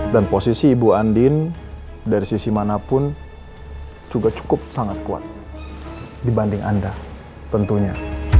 dan posisi ibu andin dari sisi manapun juga cukup sangat kuat dibanding anda tentunya